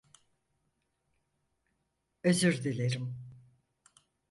Özür diIerim.